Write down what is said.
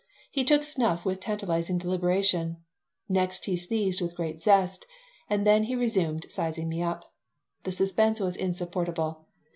He took snuff with tantalizing deliberation. Next he sneezed with great zest and then he resumed sizing me up. The suspense was insupportable.